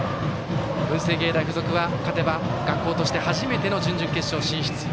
文星芸大付属は、勝てば学校として初めての準々決勝進出。